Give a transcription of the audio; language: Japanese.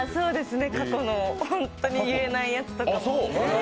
過去のホントに言えないやつとかも。